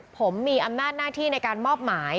ผมมีอำนาจหน้าที่ในการมอบหมาย